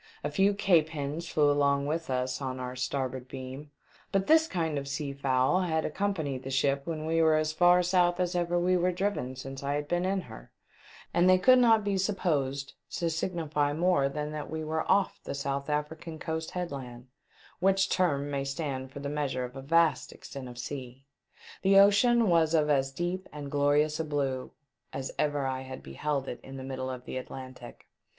A few Cape hens flew along with us on our star board beam, but this kind of sea fowl had accompanied the ship when we were as far south as ever we were driven since I had been in her, and they could not be supposed to signify more than that we were " off" the South African headland — which term may stand for the measure of a vast extent of sea. The ocean was of as deep and glorious a blue as ever I had beheld it in the middle of the Atlantic.